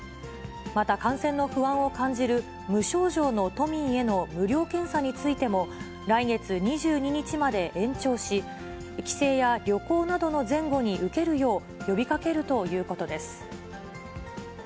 また感染の不安を感じる、無症状の都民への無料検査についても、来月２２日まで延長し、帰省や旅行などの前後に受けるよう、呼びかけるということです。